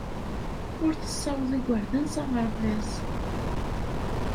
Ur tessaweḍ igerdan s aɣerbaz.